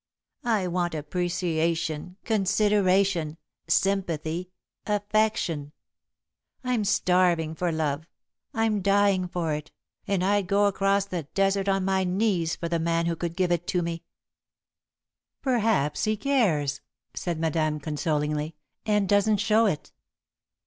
I want appreciation, consideration, sympathy, affection! I'm starving for love, I'm dying for it, and I'd go across the desert on my knees for the man who could give it to me!" [Sidenote: Kisses Classified] "Perhaps he cares," said Madame, consolingly, "and doesn't show it."